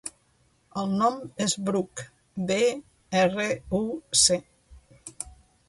El nom és Bruc: be, erra, u, ce.